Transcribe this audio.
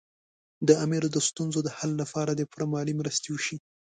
د امیر د ستونزو د حل لپاره دې پوره مالي مرستې وشي.